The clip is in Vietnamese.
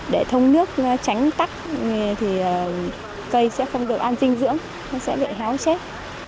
để thông nước tránh tắc thì cây sẽ không được ăn dinh dưỡng nó sẽ bị héo chết